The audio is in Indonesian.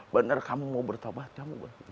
benar kamu mau bertobat kamu mau